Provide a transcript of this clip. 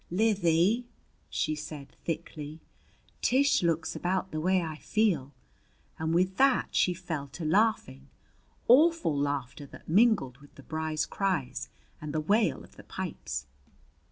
"Lizzhie," she said thickly, "Tish looks about the way I feel." And with that she fell to laughing awful laughter that mingled with the bride's cries and the wail of the pipes.